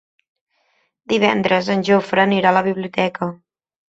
Divendres en Jofre anirà a la biblioteca.